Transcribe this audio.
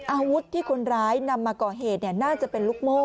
อาวุธที่คนร้ายนำมาก่อเหตุน่าจะเป็นลูกโม่